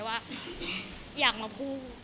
สวัสดีครับ